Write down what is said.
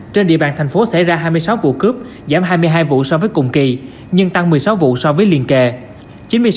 trên địa bàn thành phố xảy ra hai mươi sáu vụ cướp giảm hai mươi hai vụ so với cùng kỳ nhưng tăng một mươi sáu vụ so với liên kề